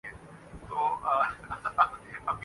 ہم کب سے اعلانیہ کہہ رہے ہیں